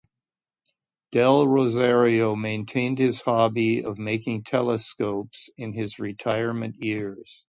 Del Rosario maintained his hobby of making telescopes in his retirement years.